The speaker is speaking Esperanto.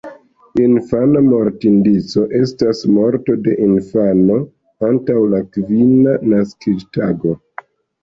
Infana mortindico estas morto de infano antaŭ la kvina naskiĝtago.